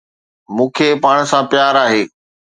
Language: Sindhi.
مون کي پاڻ سان پيار آهي